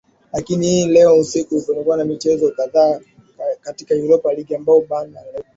lakini hii leo usiku kutakuwa na michezo kadhaa katika europa league ambapo ban levakuzin